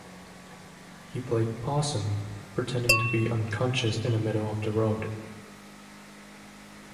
He played possum, pretending to be unconscious in the middle of the road.